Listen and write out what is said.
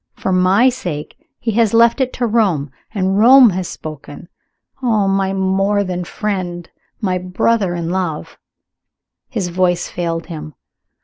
For my sake he has left it to Rome. And Rome has spoken. Oh, my more than friend my brother in love !" His voice failed him.